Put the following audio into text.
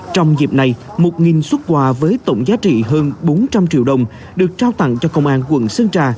trong dịp này một xuất quà với tổng giá trị hơn bốn trăm linh triệu đồng được trao tặng cho công an quận sơn trà